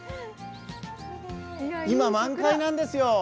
今、満開なんですよ。